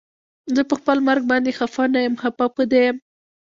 زه پخپل مرګ باندې خفه نه یم خفه په دې یم